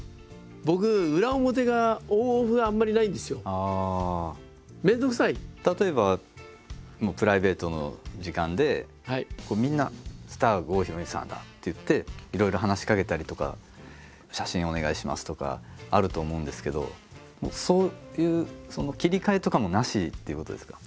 僕裏表が例えばプライベートの時間でみんな「スター郷ひろみさんだ」って言っていろいろ話しかけたりとか「写真お願いします」とかあると思うんですけどそういう切り替えとかもなしっていうことですか？